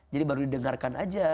jadi baru didengarkan aja